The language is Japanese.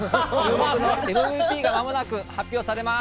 ＭＶＰが間もなく発表されます。